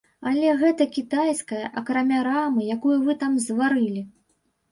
Але гэта кітайскае, акрамя рамы, якую вы там зварылі.